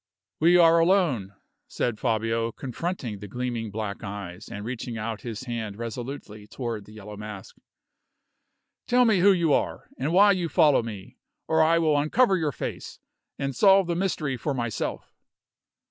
"We are alone," said Fabio, confronting the gleaming black eyes, and reaching out his hand resolutely toward the Yellow Mask. "Tell me who you are, and why you follow me, or I will uncover your face, and solve the mystery for myself."